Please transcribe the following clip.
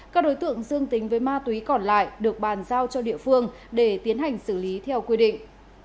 các đối tượng dương tính với ma túy còn lại được bàn giao cho địa phương để tiến hành xử lý theo quy định